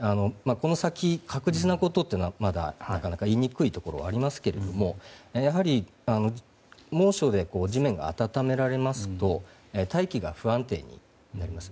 この先、確実なことはまだなかなか言いにくいところがありますけれどもやはり猛暑で地面が温められますと大気が不安定になります。